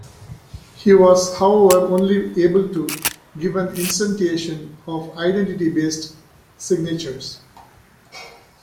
He was however only able to give an instantiation of identity-based signatures.